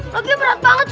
laginya berat banget sih